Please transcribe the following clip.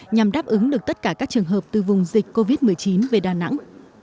nhằm đáp ứng được tất cả các trường hợp từ vùng dịch covid một mươi chín về đà nẵng